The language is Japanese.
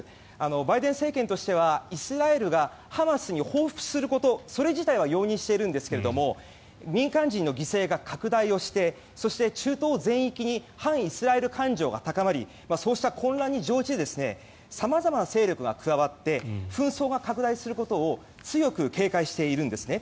バイデン政権としてはイスラエルがハマスに報復することそれ自体は容認しているんですが民間人の犠牲が拡大をしてそして中東全域に反イスラエル感情が高まりそうした混乱に乗じて様々な勢力が加わって紛争が拡大することを強く警戒しているんですね。